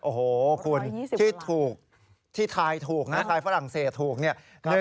โอ้โหคุณที่ถูกที่ทายถูกนะทายฝรั่งเศสถูกเนี่ย